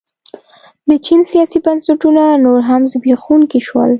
د چین سیاسي بنسټونه نور هم زبېښونکي شول.